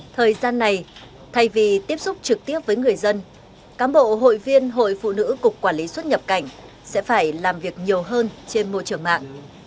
thời gian này thay vì tiếp xúc trực tiếp với người dân cám bộ hội viên hội phụ nữ cục quản lý xuất nhập cảnh sẽ phải làm việc nhiều hơn trên môi trường mạng